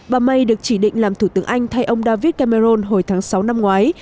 bà may được chỉ định làm thủ tướng anh thay ông david cameroon hồi tháng sáu năm ngoái